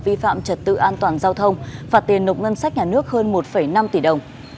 vi phạm trật tự an toàn giao thông phạt tiền nộp ngân sách nhà nước hơn một năm tỷ đồng